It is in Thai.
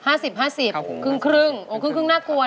ห้าสิบห้าสิบครึ่งครึ่งครึ่งครึ่งน่ากลัวนะ